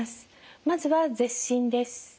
まずは舌診です。